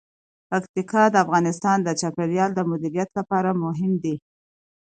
پکتیکا د افغانستان د چاپیریال د مدیریت لپاره مهم دي.